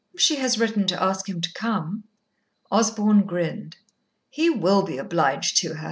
"She has written to ask him to come." Osborn grinned. "He will be obliged to her.